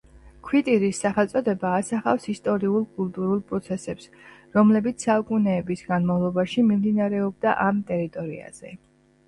ქვიტირის სახელწოდება ასახავს ისტორიულ-კულტურულ პროცესებს, რომლებიც საუკუნეების განმავლობაში მიმდინარეობდა ამ ტერიტორიაზე.